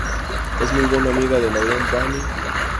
Es muy buena amiga de Lauren Branning.